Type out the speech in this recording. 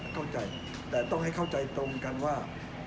เข้าใจแต่ต้องให้เข้าใจตรงกันว่า